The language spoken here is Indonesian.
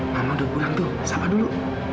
karena udah pulang tuh sama dulu